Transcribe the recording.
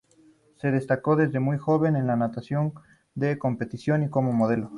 Se destacó desde muy joven en la natación de competición y como modelo.